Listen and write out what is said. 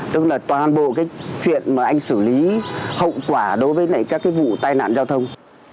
tức là toàn bộ cái chuyện mà anh xử lý hậu quả đối với các cái vụ tai nạn giao thông